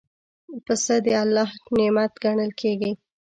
پسه د الله نعمت ګڼل کېږي.